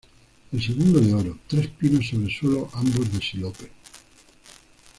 El segundo de oro, tres pinos sobre suelo ambos de sinople.